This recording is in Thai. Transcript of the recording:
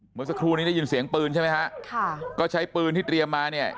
เมื่อสักครู่นี้ได้ยินเสียงปืนใช่ไหมฮะค่ะก็ใช้ปืนที่เตรียมมาเนี่ย